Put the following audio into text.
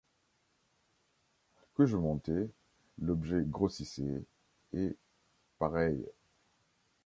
Que je montais, l’objet grossissait, et, pareil